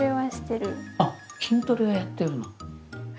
あっ筋トレをやってるの。